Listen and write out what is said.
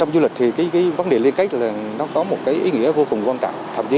du lịch thì cái vấn đề liên kết là nó có một cái ý nghĩa vô cùng quan trọng